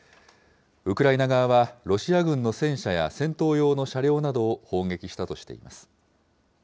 ウクライナ側はロシア軍の戦車や戦闘用の車両などを砲撃したとしています。